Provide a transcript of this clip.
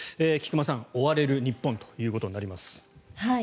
菊間さん、追われる日本ということになります。